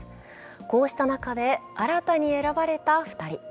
こうした中で、新たに選ばれた２人。